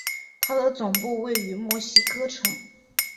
它的总部位于墨西哥城。